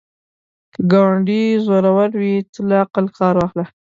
که ګاونډی زورور وي، ته له عقل کار واخله